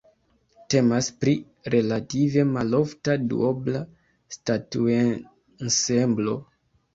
Temas pri relative malofta duobla statuensemblo.